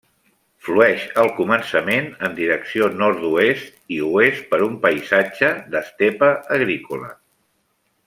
Flueix al començament en direcció nord-oest i oest per un paisatge d'estepa agrícola.